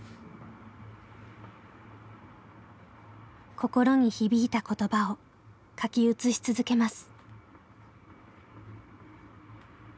心に響いた言葉を書き写し続けます。